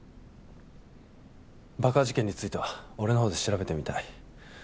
爆破事件については俺の方で調べてみたい。